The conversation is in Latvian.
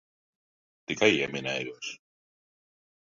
Tikai ieminējos.